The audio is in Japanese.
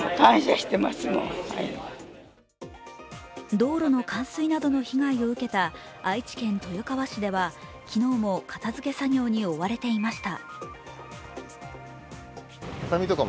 道路の冠水などの被害を受けた愛知県豊川市では昨日も片づけ作業に追われていました。